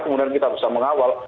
kemudian kita bisa mengawal